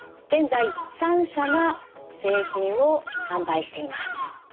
現在３社が製品を販売しています。